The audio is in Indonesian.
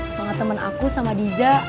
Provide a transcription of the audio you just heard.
soalnya temen aku sama diza